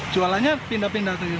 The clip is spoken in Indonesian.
jualannya pindah pindah tuh